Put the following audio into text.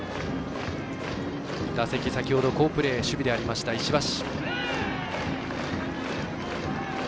打席、先ほど好プレー守備でありました石橋。